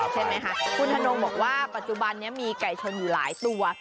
คุณธนงศูนย์บอกว่าปัจจุบันมีไก่ชนอยู่หลายตัว